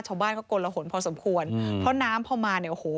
ชาวบ้านก็กลหนพอสมควรเพราะน้ำพอมาเนี่ยโอ้โห